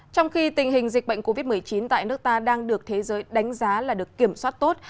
trong khi tình hình dịch bệnh covid một mươi chín tại nước ta đang được thế giới đánh giá là được kiểm soát tốt